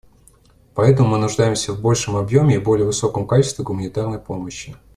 Поэтому мы нуждаемся в большем объеме и более высоком качестве гуманитарной помощи.